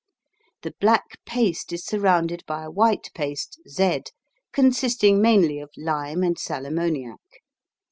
The black paste is surrounded by a white paste Z, consisting mainly of lime and sal ammoniac.